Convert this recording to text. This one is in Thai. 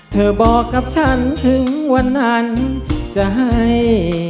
เธอบอกกับฉันถึงวันนั้นจะให้